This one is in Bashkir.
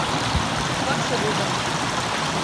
Ҡаршы булдым.